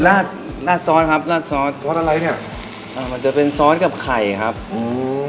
ราดราดซอสครับราดซอสซอสอะไรเนี้ยอ่ามันจะเป็นซอสกับไข่ครับอืม